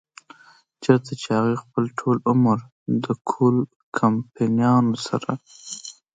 چرته چې هغوي خپل ټول عمر د کول کمپنيانو سره